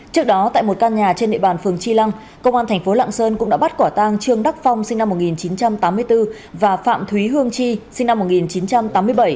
trước đó tại một căn nhà trên địa bàn phường chi lăng công an tp lạng sơn cũng đã bắt quả tang trương đắc phong sinh năm một nghìn chín trăm tám mươi bốn và phạm thúy hương chi sinh năm một nghìn chín trăm tám mươi bảy